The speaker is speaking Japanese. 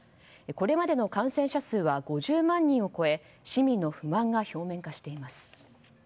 これまでの感染者数は５０万人を超え市民の不満が表面化しています。